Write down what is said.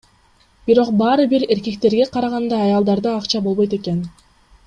Бирок баары бир эркектерге караганда аялдарда акча болбойт экен.